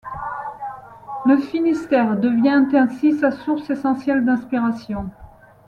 Le Finistère devient ainsi sa source essentielle d'inspiration.